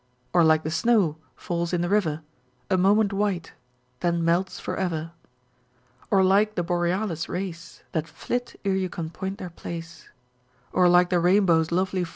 Or like the snow, falls in the river, A moment white â€" then melts for ever ; Or like the borealis race, That flit ere you can point their place ; Or like the rainbow's lovely